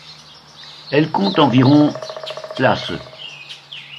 Elle compte environ places.